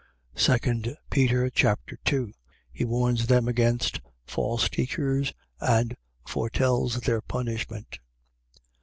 2 Peter Chapter 2 He warns them against false teachers and foretells their punishment.